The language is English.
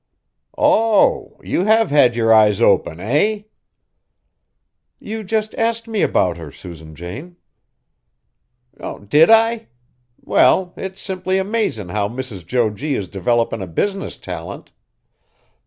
"Oh! you have had yer eyes open, eh?" "You just asked me about her, Susan Jane." "Did I? Well, it's simply amazin' how Mrs. Jo G. is developin' a business talent.